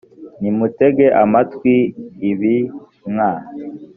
nimutege amatwi ibi mwa